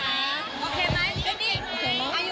ตื่นเต้นเป็นพิเศษ